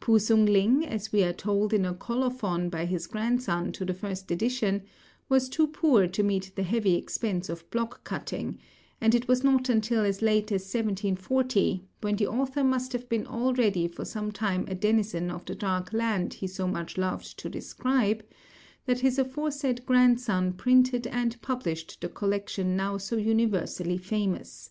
P'u Sung ling, as we are told in a colophon by his grandson to the first edition, was too poor to meet the heavy expense of block cutting; and it was not until as late as 1740, when the author must have been already for some time a denizen of the dark land he so much loved to describe, that his aforesaid grandson printed and published the collection now so universally famous.